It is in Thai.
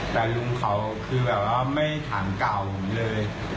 แต่ลุงเขาคือแบบว่าไม่ถามกล่าวผมเลย